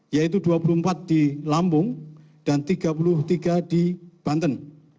yaitu dua puluh empat di lampung dan tiga puluh tiga di banten